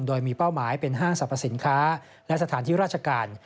โดยมีเป้าหมายเป็นห้างสรรพสินค้าและสถานที่ราชการ